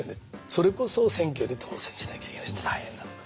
それこそ選挙で当選しなきゃいけないし大変だと。